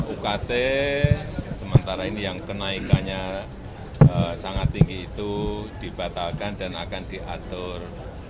ukt sementara ini yang kenaikannya sangat tinggi itu dibatalkan dan akan diatur